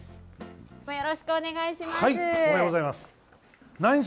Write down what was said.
よろしくお願いします。